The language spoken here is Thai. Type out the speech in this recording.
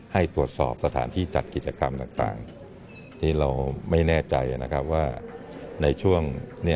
ให้ตรวจสอบสถานที่จัดกิจกรรมต่าง